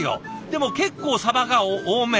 でも結構サバが多め。